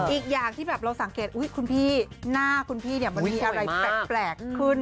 อีกอย่างที่แบบเราสังเกตคุณพี่หน้าคุณพี่เนี่ยมันมีอะไรแปลกขึ้น